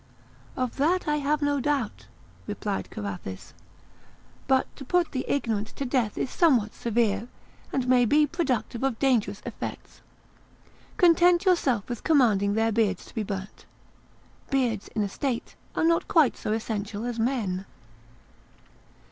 "Of that I have no doubt," replied Carathis; "but to put the ignorant to death is somewhat severe, and may be productive of dangerous effects; content yourself with commanding their beards to be burnt—beards in a state are not quite so essential as men."